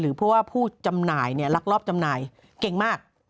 หรือเพราะว่าผู้หลักรอบจำหน่ายเก่งมาก